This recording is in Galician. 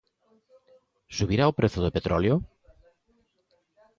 Subirá o prezo do petróleo?